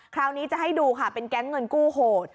คราวนี้จะให้ดูค่ะเป็นแก๊งเงินกู้โหด